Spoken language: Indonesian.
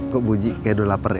kok buji kayak udah lapar ya